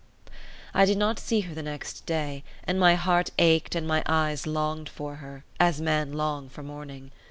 I did not see her the next day, and my heart ached and my eyes longed for her, as men long for morning.